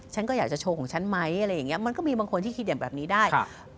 ฉันก็อยากจะโชว์ของฉันไหมอะไรอย่างเงี้มันก็มีบางคนที่คิดอย่างแบบนี้ได้